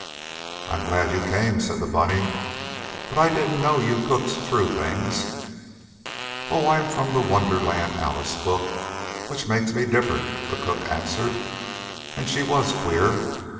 "I'm glad you came," said the bunny, "but I didn't know you cooks threw things." "Oh, I'm from the Wonderland Alice book, which makes me different," the cook answered. And she was queer.